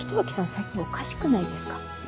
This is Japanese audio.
最近おかしくないですか？